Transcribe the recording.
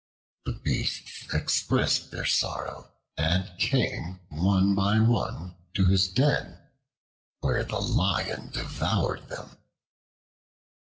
The beasts expressed their sorrow, and came one by one to his den, where the Lion devoured them.